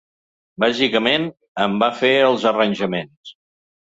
Bàsicament, em va fer els arranjaments.